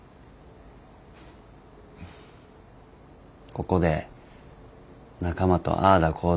ここで仲間とああだこうだ